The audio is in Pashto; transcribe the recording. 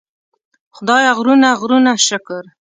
خدایه غرونه غرونه شکر.